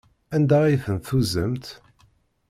Anda ay tent-tuzamt?